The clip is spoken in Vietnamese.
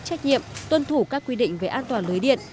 trách nhiệm tuân thủ các quy định về an toàn lưới điện